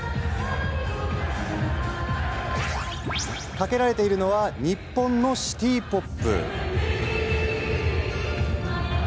かけられているのは日本のシティ・ポップ。